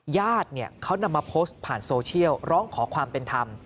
ญาติเขานำมาโพสต์ผ่านโซเชียลร้องขอความเป็นธรรม